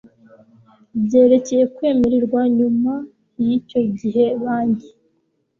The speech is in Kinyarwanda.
byerekeye kwemererwa Nyuma y icyo gihe Banki